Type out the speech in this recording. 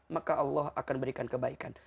maka allah akan berikan kebaikan